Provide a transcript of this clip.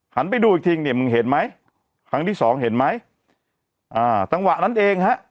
ไปดูอีกทีเนี่ยมึงเห็นไหมครั้งที่สองเห็นไหมอ่าจังหวะนั้นเองฮะ